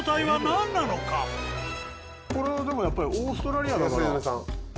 これはでもやっぱりオーストラリアだから。